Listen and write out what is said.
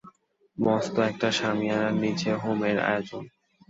মস্ত একটা শামিয়ানার নীচে হোমের আয়োজন।